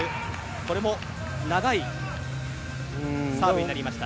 これも長いサーブになりました。